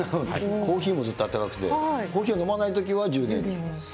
コーヒーもずっとあったかくて、コーヒーを飲まないときは充電。